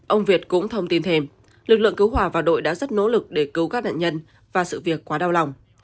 ông việt cũng thông tin thêm lực lượng cứu hỏa và đội đã rất nỗ lực để cứu các nạn nhân và sự việc quá đau lòng